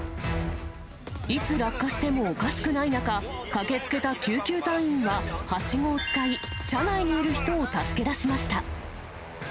いつ落下してもおかしくない中、駆けつけた救急隊員ははしごを使い、車内にいる人を助け出しました。